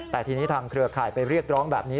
แต่ทีนี้ทางเครือข่ายไปเรียกร้องแบบนี้